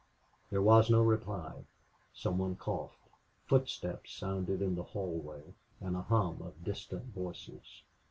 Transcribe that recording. There was no reply. Some one coughed. Footsteps sounded in the hallway, and a hum of distant voices.